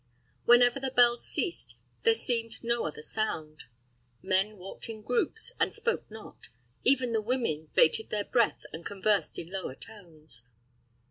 Whenever the bell ceased, there seemed no other sound. Men walked in groups, and spoke not; even the women bated their breath and conversed in lower tones.